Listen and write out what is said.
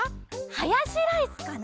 ハヤシライスかな！